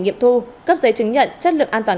nghiệm thu cấp giấy chứng nhận chất lượng an toàn